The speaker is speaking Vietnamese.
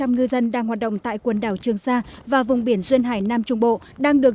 một trăm linh ngư dân đang hoạt động tại quần đảo trường sa và vùng biển duyên hải nam trung bộ đang được